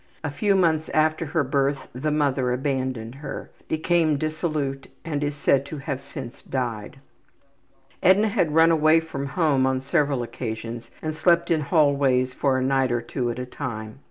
A few months after her birth the mother abandoned her, became dissolute and is said to have since died. Edna had run away from home on several occasions and slept in hallways for a night or two at a time.